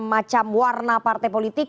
macam warna partai politik